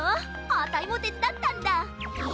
あたいもてつだったんだ！え！？